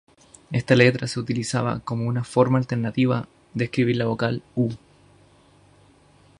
Esta letra se utilizaba como una forma alternativa de escribir la vocal u.